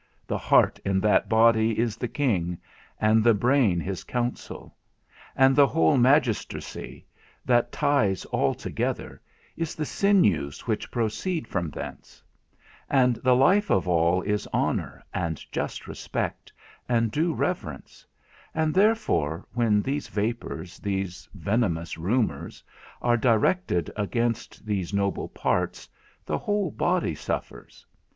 The heart in that body is the king, and the brain his council; and the whole magistracy, that ties all together, is the sinews which proceed from thence; and the life of all is honour, and just respect, and due reverence; and therefore, when these vapours, these venomous rumours, are directed against these noble parts, the whole body suffers.